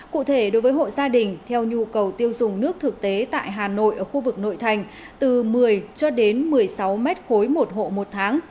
cụ thể đối với hộ gia đình theo nhu cầu tiêu dùng nước thực tế tại hà nội ở khu vực nội thành từ một mươi cho đến một mươi sáu m ba một hộ một tháng